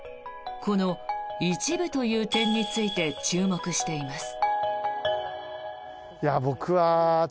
この一部という点について注目しています。